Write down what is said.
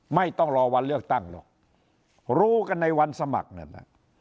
ไม่ต้องรอวันเลือกตั้งหรอกรู้กันในวันสมัครนั่นน่ะ